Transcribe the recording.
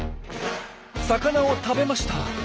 魚を食べました。